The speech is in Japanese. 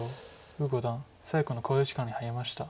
呉五段最後の考慮時間に入りました。